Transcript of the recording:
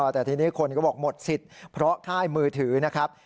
แต่ทีนี้คนก็บอกหมดสิทธิ์เพราะค่ายมือถือนะครับ